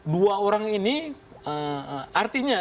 dua orang ini artinya